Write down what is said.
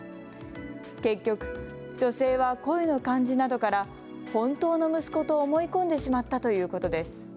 結局、女性は声の感じなどから本当の息子と思い込んでしまったということです。